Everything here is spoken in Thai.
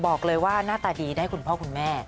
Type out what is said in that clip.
บอกเลยว่าหน้าตาดีได้คุณพ่อคุณแม่